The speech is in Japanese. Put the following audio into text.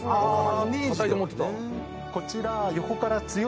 こちらは。